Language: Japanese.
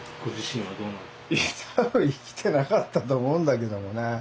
多分生きてなかったと思うんだけどもね。